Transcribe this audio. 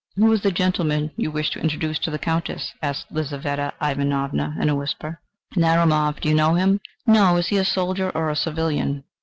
"Who is the gentleman you wish to introduce to the Countess?" asked Lizaveta Ivanovna in a whisper. "Narumov. Do you know him?" "No. Is he a soldier or a civilian?"